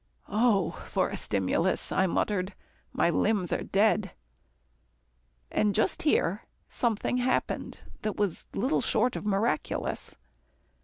"Oh! for a stimulus," I muttered, "my limbs are dead," and just here something happened that was little short of miraculous.